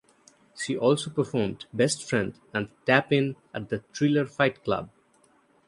She also performed "Best Friend" and "Tap In" at the Triller Fight Club.